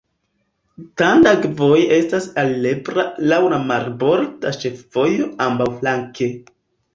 Tandag voje estas alirebla laŭ la marborda ĉefvojo ambaŭflanke.